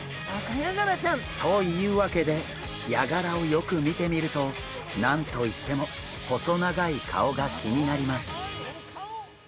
というわけでヤガラをよく見てみると何と言っても細長い顔が気になります。